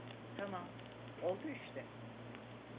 Tamam, oldu işte.